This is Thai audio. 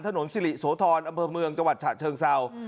ถนนสิริโสธรอำเภอเมืองจังหวัดฉะเชิงเศร้า